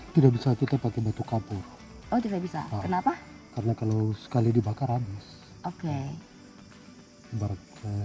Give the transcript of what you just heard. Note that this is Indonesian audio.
tidak bisa kita pakai batu kapur oh tidak bisa kenapa karena kalau sekali dibakar habis oke ibarat